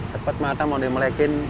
sepet mata mau dimelekin